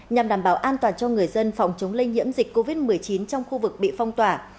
nhằm đảm bảo an toàn cho người dân phòng chống lây nhiễm dịch covid một mươi chín trong khu vực bị phong tỏa